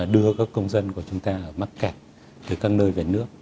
đưa các công dân của chúng ta ở mắc kẹt từ các nơi về nước